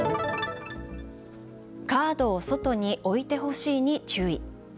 カードを外に置いてほしいに注意。